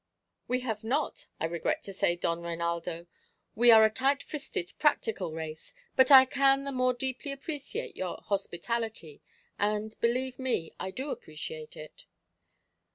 "We have not, I regret to say, Don Reinaldo. We are a tight fisted practical race. But I can the more deeply appreciate your hospitality; and, believe me, I do appreciate it."